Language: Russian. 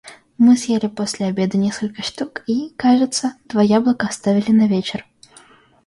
Мы съели после обеда несколько штук и, кажется, два яблока оставили на вечер.